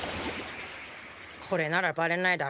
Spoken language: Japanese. これならバレないだろ？